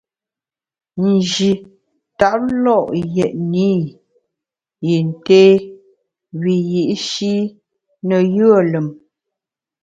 Nji tap lo’ yètne i yin té wiyi’shi ne yùe lùm.